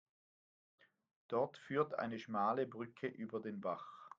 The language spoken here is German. Dort führt eine schmale Brücke über den Bach.